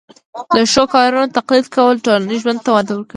د ښو کارونو تقلید کول ټولنیز ژوند ته وده ورکوي.